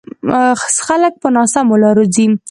خلک په ناسمو لارو ځي.